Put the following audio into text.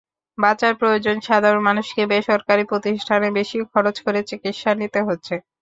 বাঁচার প্রয়োজনে সাধারণ মানুষকে বেসরকারি প্রতিষ্ঠানে বেশি খরচ করে চিকিৎসা নিতে হচ্ছে।